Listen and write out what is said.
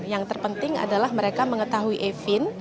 yang terpenting adalah mereka mengetahui e fin